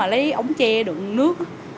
lấy ống tre đựng nước